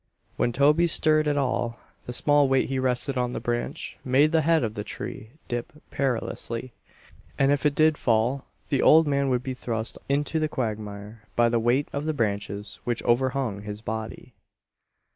When Toby stirred at all, the small weight he rested on the branch made the head of the tree dip perilously. And if it did fall the old man would be thrust into the quagmire by the weight of the branches which overhung his body.